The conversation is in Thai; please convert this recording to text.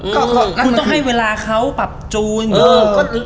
คุณต้องให้เวลาเขาปรับจูอย่างนี้